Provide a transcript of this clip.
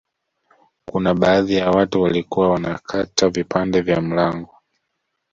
Kuna baadhi ya watu walikuwa wanakata vipande vya mlango